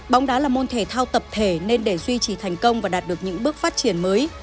bóng đá là môn thể thao tập thể nên để duy trì thành công và đạt được những bước phát triển mới